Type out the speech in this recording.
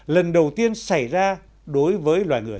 lần đầu tiên xảy ra đối với loài người